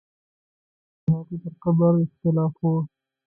د هغې پر قبر اختلاف وو.